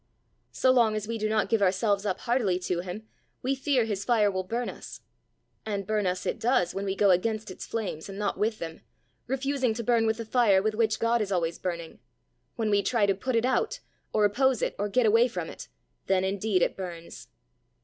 So long as we do not give ourselves up heartily to him, we fear his fire will burn us. And burn us it does when we go against its flames and not with them, refusing to burn with the fire with which God is always burning. When we try to put it out, or oppose it, or get away from it, then indeed it burns!"